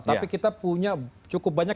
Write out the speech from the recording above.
tapi kita punya cukup banyak